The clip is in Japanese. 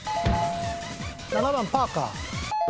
７番パーカー。